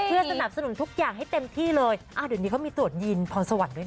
เพื่อสนับสนุนทุกอย่างให้เต็มที่เลยอ่าเดี๋ยวนี้เขามีตรวจยีนพรสวรรค์ด้วยนะ